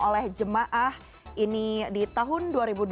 oleh jemaah ini di tahun dua ribu dua puluh